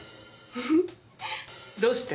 フフどうして？